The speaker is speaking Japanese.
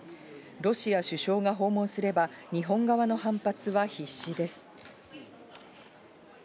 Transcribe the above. ロシア首相が訪問すれば日本側の反発は必至です。